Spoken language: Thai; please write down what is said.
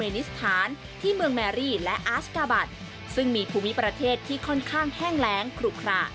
และอาชกาบัตรซึ่งมีภูมิประเทศที่ค่อนข้างแห้งแรงคลุกคละ